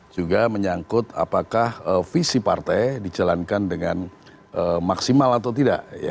juga menyangkut apakah visi partai dijalankan dengan maksimal atau tidak